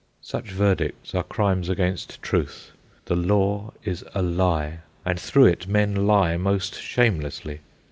Such verdicts are crimes against truth. The Law is a lie, and through it men lie most shamelessly.